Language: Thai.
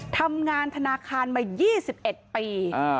ทำงานธนาคารมา๒๑ปี